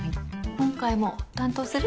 今回も担当する？